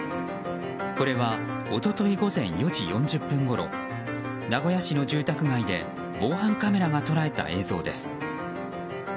これは一昨日午前４時４０分ごろ名古屋市の住宅街で防犯カメラが捉えた映像です。